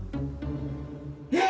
えっ！